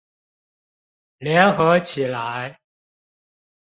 聯合起來！